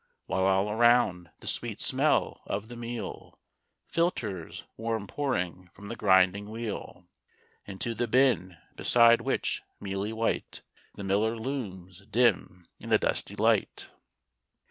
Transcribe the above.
While all around, the sweet smell of the meal Filters, warm pouring from the grinding wheel Into the bin; beside which, mealy white, The miller looms, dim in the dusty light.